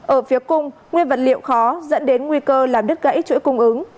ở phía cung nguyên vật liệu khó dẫn đến nguy cơ làm đứt gãy chuỗi cung ứng